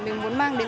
mình muốn mang đến